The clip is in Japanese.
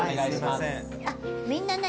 みんな何？